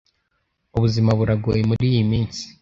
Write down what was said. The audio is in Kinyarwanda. ubuzima buragoye muriyi minsi